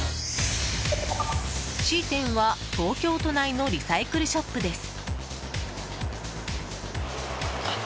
Ｃ店は、東京都内のリサイクルショップです。